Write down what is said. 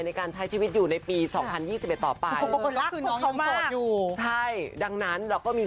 ในการใช้ชีวิตอยู่ในปี๒๐๒๑ต่อไป